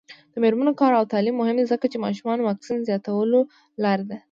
د میرمنو کار او تعلیم مهم دی ځکه چې ماشومانو واکسین زیاتولو لاره ده.